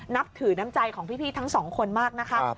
นับถือน้ำใจของพี่ทั้งสองคนมากนะคะ